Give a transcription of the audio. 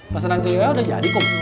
masa nanti cieya udah jadi kum